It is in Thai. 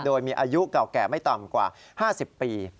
โดยมีอายุเก่าแก่ไม่ต่ำกว่า๕๐ปี